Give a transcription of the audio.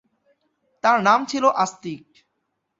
তার নাম ছিল আস্তিক।